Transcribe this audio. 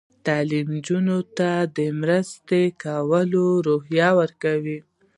تعلیم نجونو ته د مرستې کولو روحیه ورکوي.